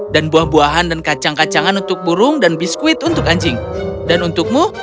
dan buah buahan dan kacang kacangan untuk burung dan biskuit untuk anjing dan untukmu